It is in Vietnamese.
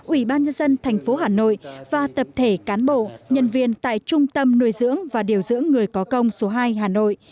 ủy ban nhân dân thành phố hà nội và tập thể cán bộ nhân viên tại trung tâm nuôi dưỡng và điều dưỡng người có công số hai hà nội